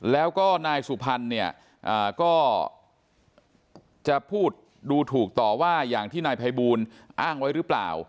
แล้วก็นายสุพรรณเนี่ยก็จะพูดดูถูกต่อว่าอย่างที่นายภัยบูลอ้างไว้หรือเปล่า